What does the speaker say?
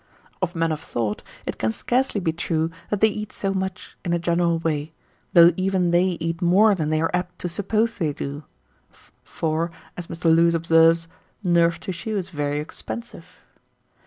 Of men of thought, it can scarcely be true that they eat so much, in a general way, though even they eat more than they are apt to suppose they do; for, as Mr. Lewes observes, "nerve tissue is very expensive."